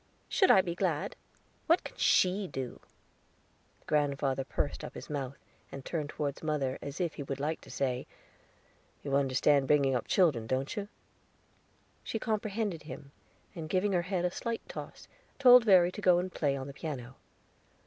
"Should I be glad? What can she do?" Grandfather pursed up his mouth, and turned toward mother, as if he would like to say: "You understand bringing up children, don't you?" She comprehended him, and, giving her head a slight toss, told Verry to go and play on the piano.